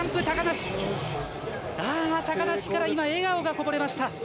高梨から今笑顔がこぼれました。